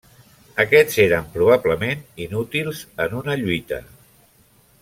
Aquests eren probablement inútils en una lluita.